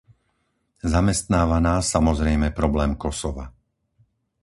Zamestnáva nás, samozrejme, problém Kosova.